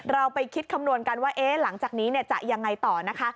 เราไปคิดคำนวณกันว่าหลังจากนี้จะยังไงต่อนะคะ